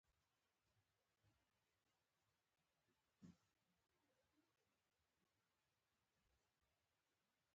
چې دوی ټول په هند کې له برټانیې سره مخالف ول.